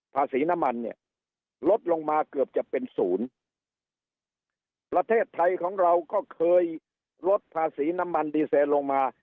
ภาษีน้ำมันเนี่ยลดลงมาเกือบจะเป็นศูนย์ประเทศไทยของเราก็เคยลดภาษีน้ำมันดีเซลลงมา